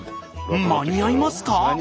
間に合いますか？